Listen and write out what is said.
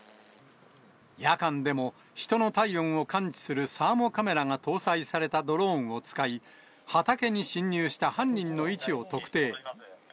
夜間でも人の体温を感知するサーモカメラが搭載されたドローンを使い、畑に侵入した犯人の位置を特定。